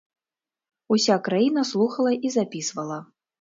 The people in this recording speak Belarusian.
Уся краіна слухала і запісвала.